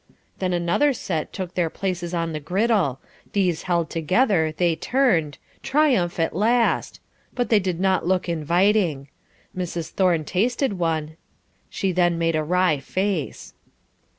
Then another set took their places on the griddle; these held together, they turned triumph at last! but they did not look inviting. Mrs. Thorne tasted one, she then made a wry face.